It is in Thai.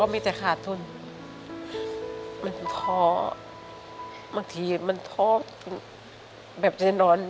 มีความหวัง